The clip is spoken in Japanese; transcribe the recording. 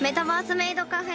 メイドカフェ？